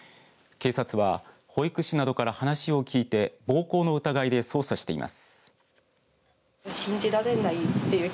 警察は保育士などから話を聞いて暴行の疑いで捜査しています。